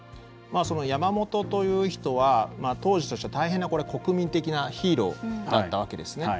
山本という人は当時としては大変な国民的なヒーローだったわけですね。